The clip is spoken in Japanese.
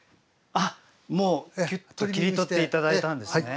あっもう切り取って頂いたんですね。